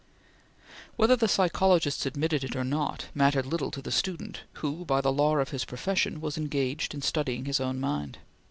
Whether the psychologists admitted it or not, mattered little to the student who, by the law of his profession, was engaged in studying his own mind.